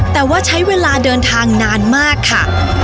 แต่ว่าใช้เวลาเดินทางนานมากค่ะ